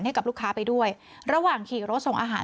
ให้กับลูกค้าไปด้วยระหว่างขี่รถส่งอาหาร